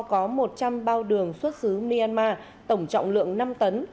có một trăm linh bao đường xuất xứ myanmar tổng trọng lượng năm tấn